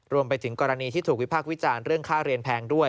รวมไปถึงกรณีที่ถูกวิพากษ์วิจารณ์เรื่องค่าเรียนแพงด้วย